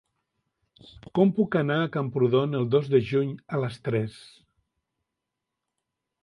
Com puc anar a Camprodon el dos de juny a les tres?